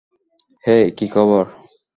হেই, কী খবর?